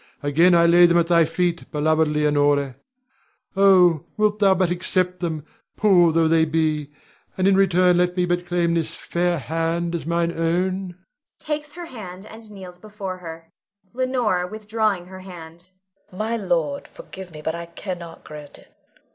Again I lay them at thy feet, beloved Leonore. Oh, wilt thou but accept them, poor tho' they be, and in return let me but claim this fair hand as mine own? [Takes her hand and kneels before her. Leonore [withdrawing her hand]. My lord, forgive me, but I cannot grant it.